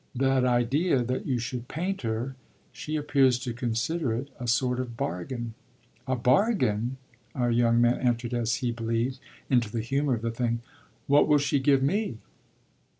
That idea that you should paint her she appears to consider it a sort of bargain." "A bargain?" Our young man entered, as he believed, into the humour of the thing. "What will she give me?"